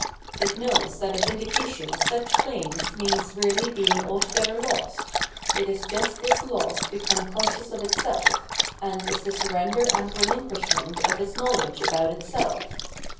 It knows that a vindica tion of such claims means really being altogether lost ; it is just this loss become conscious of itself, and is the surrender and relinquishment of its knowledge about itself.